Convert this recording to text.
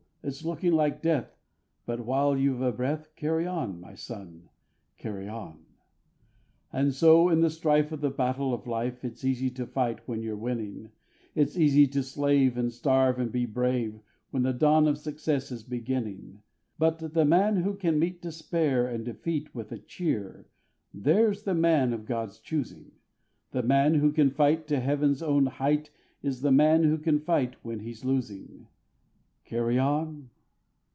It's looking like death, but while you've a breath, Carry on, my son! Carry on! And so in the strife of the battle of life It's easy to fight when you're winning; It's easy to slave, and starve and be brave, When the dawn of success is beginning. But the man who can meet despair and defeat With a cheer, there's the man of God's choosing; The man who can fight to Heaven's own height Is the man who can fight when he's losing. Carry on!